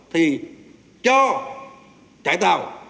thì cho trại tàu